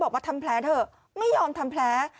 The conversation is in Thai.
บอกว่าทำแผลเถอะไม่ยอมทำแผล